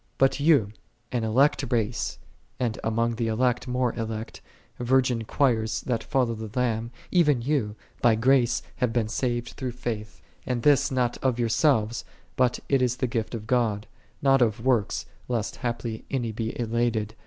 '3 But you, an elect race, and among the elect more elect, virgin choirs that follow the Lamb, even you "by grace have been saved through faith; and this not of yourselves, but it is the gift of God: not of works, lest haply any be elated.